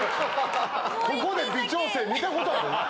ここで微調整見たことある⁉